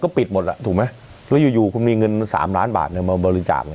ก็ปิดหมดอ่ะถูกไหมแล้วยูคุณมีเงิน๓ล้านบาทเนี่ยมาบริจาค